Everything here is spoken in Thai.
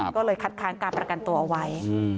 ก็เลยคัดค้างการประกันตัวเอาไว้